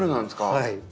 はい。